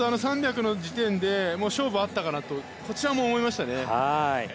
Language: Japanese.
３００の時点で勝負あったかなとこちらも思いましたね。